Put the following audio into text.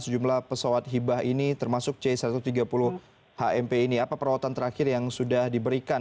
sejumlah pesawat hibah ini termasuk c satu ratus tiga puluh hmp ini apa perawatan terakhir yang sudah diberikan